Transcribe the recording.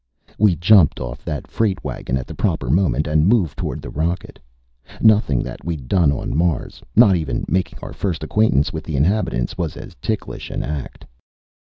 We jumped off that freight wagon at the proper moment and moved toward the rocket. Nothing that we'd done on Mars not even making our first acquaintance with the inhabitants was as ticklish an act.